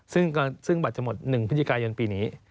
ซึ่งบัตรจบรรยายจะหมดหนึ่งพฤติกายนปีนี้